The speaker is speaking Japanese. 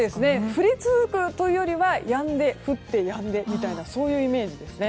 降り続くというよりはやんで降ってやんでみたいなそういうイメージですね。